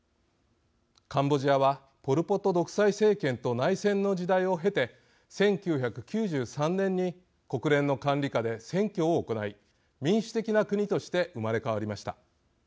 カンボジアはポル・ポト独裁政権と内戦の時代を経て１９９３年に国連の管理下で選挙を行い民主的な国として生まれ変わりました。